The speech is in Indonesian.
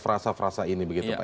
frasa frasa ini begitu pak